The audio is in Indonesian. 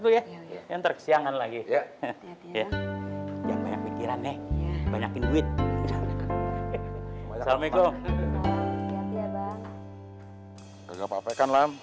dulu ya ntar kesiangan lagi ya ya yang banyak mikirannya banyakin duit assalamualaikum